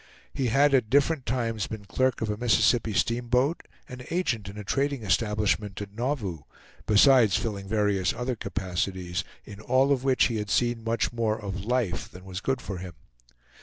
He had at different times been clerk of a Mississippi steamboat, and agent in a trading establishment at Nauvoo, besides filling various other capacities, in all of which he had seen much more of "life" than was good for him.